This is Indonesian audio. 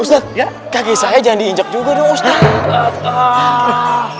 ustadz kaki saya jangan diinjek juga dong ustadz